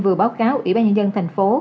vừa báo cáo ủy ban nhân dân thành phố